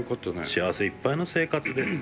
「幸せいっぱいの生活です。